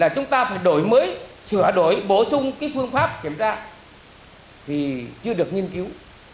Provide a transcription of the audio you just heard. chúng ta phải đổi mới sửa đổi bổ sung phương pháp kiểm tra thì chưa được nghiên cứu